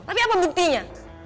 tapi apa buktinya